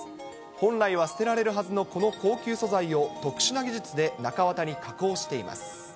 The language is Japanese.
本来は捨てられるはずの、この高級素材を特殊な技術で中綿に加工しています。